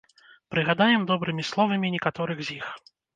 Прыгадаем добрымі словамі некаторых з іх.